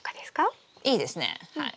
いいですねはい。